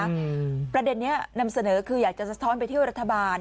ประเด็นนี้นำเสนอคืออยากจะสะท้อนไปเที่ยวรัฐบาล